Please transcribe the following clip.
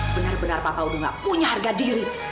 benar benar papa udah gak punya harga diri